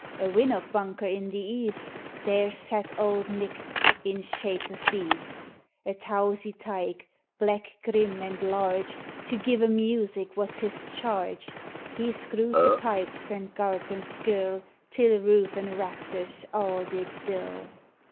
A winnock bunker in the east, There sat auld Mck, in shape o' beast, — A towzie tyke, black, grim, and large, — To gie them music was his charge ; He screwed the pipes and gart them skirl Till roof an' rafters a' did dirl.